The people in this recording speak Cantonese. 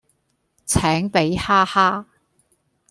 請俾哈哈